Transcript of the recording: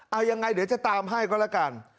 เอายังไงเดี๋ยวจะตามให้ก็แล้วกัน